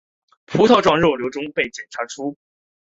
葡萄状肉瘤中被检查出。